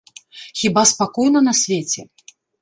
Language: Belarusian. Хіба спакойна на свеце?